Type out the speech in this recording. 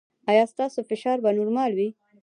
ایا ستاسو فشار به نورمال وي؟